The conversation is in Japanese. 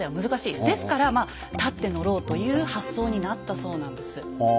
ですから立って乗ろうという発想になったそうなんです。